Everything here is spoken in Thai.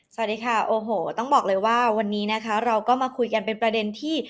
สวัสดีค่ะโอ้โหต้องบอกเลยว่าวันนี้นะคะเราก็มาคุยกันเป็นประเด็นที่